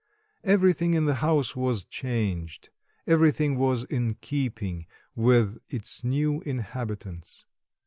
Everything in the house was changed, everything was in keeping with its new inhabitants.